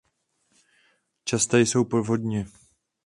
Časté jsou povodně.